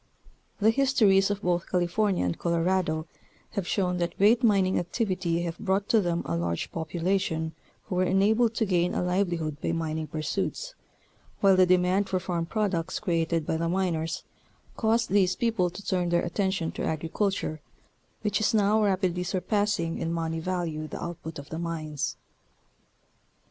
The histories of both California and Colorado have shown that great mining activity have brought to them a large population who were enabled to gain a livelihood by mining pursuits, while the demand for farm products created by the miners, caused these people to turn their attention to agriculture, which is now rapidly surpassing in money value the output of the mines.